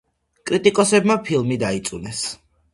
კრიტიკოსებმა ფილმი დაიწუნეს.